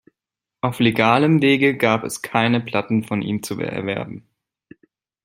Auf legalem Wege gab es keine Platten von ihm zu erwerben.